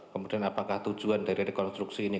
kemudian apakah tujuan dari rekonstruksi ini